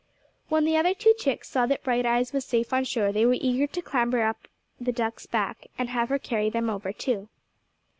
When the other two chicks saw that Bright Eyes was safe on shore they were eager to clamber upon the duck's back and have her carry them over, too.